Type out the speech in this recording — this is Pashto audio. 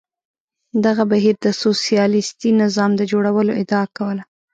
دغه بهیر د سوسیالیستي نظام د جوړولو ادعا کوله.